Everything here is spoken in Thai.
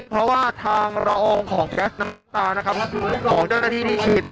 เพราะว่าทางละอองของแก๊สน้ำตานะครับของเจ้าหน้าที่นี่คือ